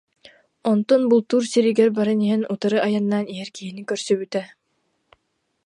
Онтон бултуур сиригэр баран иһэн утары айаннаан иһэр киһини көрсүбүтэ